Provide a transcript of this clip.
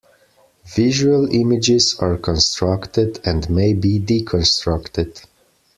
Visual images are constructed and may be deconstructed.